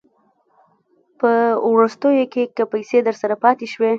په وروستیو کې که پیسې درسره پاته شوې